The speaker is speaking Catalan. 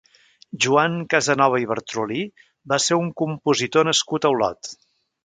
Joan Casanova i Bartrolí va ser un compositor nascut a Olot.